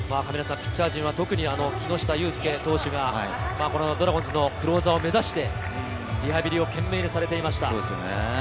ピッチャー陣は特に木下雄介投手がドラゴンズのクローザーを目指してリハビリを懸命にしていました。